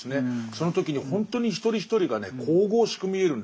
その時にほんとに一人一人がね神々しく見えるんです。